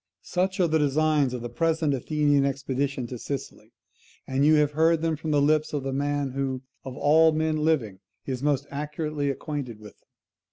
"Such are the designs of the present Athenian expedition to Sicily, and you have heard them from the lips of the man who, of all men living, is most accurately acquainted with them.